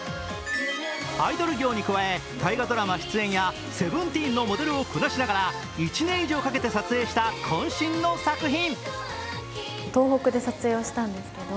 アイドル業に加え大河ドラマ出演や「Ｓｅｖｅｎｔｅｅｎ」のモデルをこなしながら１年以上かけて撮影したこん身の作品。